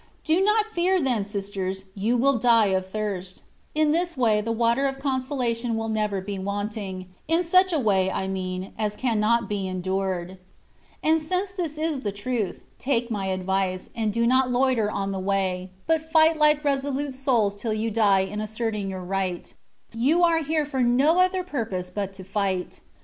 Do not fear then, sisters, you will die of thirst In this way the water of consolation will never be wanting — in such a way, I mean, as cannot be endured; and since this is the truth, take my advice, and do not loiter on the way, but fight like resolute souls till you die in asserting your right ; you are here for no other purpose but to fight.